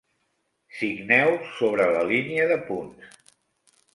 Signeu sobre la línia de punts.